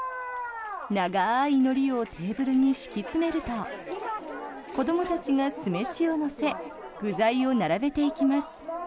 長いのりをテーブルに敷き詰めると子どもたちが酢飯を乗せ具材を並べていきます。